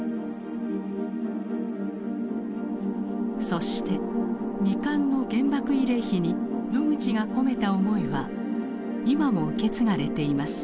そして未完の原爆慰霊碑にノグチが込めた思いは今も受け継がれています。